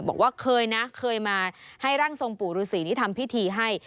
บอกว่าเคยนะเคยมาให้ร่างทรงปู่ฤษีนี้ทำพิธีให้